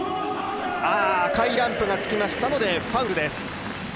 赤いランプがつきましたのでファウルです。